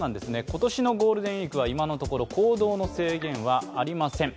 今年のゴールデンウイークは今のところ行動の制限はありません。